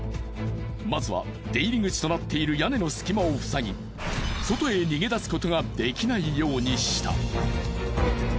まずは出入り口となっている屋根の隙間を塞ぎ外へ逃げ出すことができないようにした。